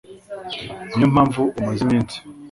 niyo mpamvu umaze iminsi